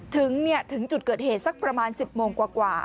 ถึงจุดเกิดเหตุสักประมาณ๑๐โมงกว่า